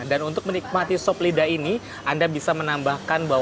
dan untuk menikmati sop lidah ini anda bisa menambahkan bahwa